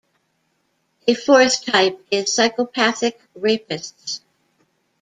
A fourth type is psychopathic rapists.